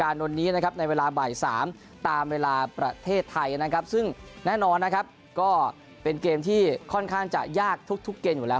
วันนี้นะครับในเวลาบ่าย๓ตามเวลาประเทศไทยนะครับซึ่งแน่นอนนะครับก็เป็นเกมที่ค่อนข้างจะยากทุกทุกเกณฑ์อยู่แล้ว